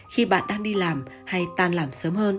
khi bạn đang đi làm hay tan làm sớm hơn